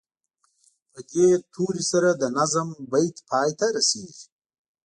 په دې توري سره د نظم بیت پای ته رسیږي.